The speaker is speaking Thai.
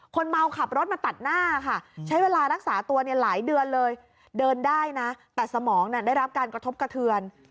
คนเมาขับรถมาตัดหน้าค่ะใช้เวลารักษาตัวเนี่ยหลายเดือนเลยเดินได้นะแต่สมองได้รับการกระทบกระเทือน